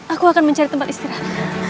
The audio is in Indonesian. aku akan mencari tempat istirahat